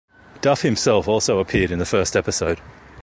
Duff himself also appeared in the first episode.